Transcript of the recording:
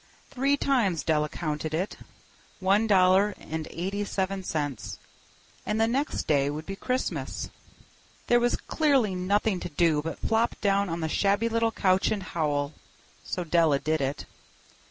Three times Della counted it. One dollar and eighty seven cents. And the next day would be Christmas. There was clearly nothing to do but flop down on the shabby little couch and howl. So Della did it.